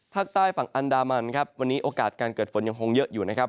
ภาคใต้ฝั่งอันดามันครับวันนี้โอกาสการเกิดฝนยังคงเยอะอยู่นะครับ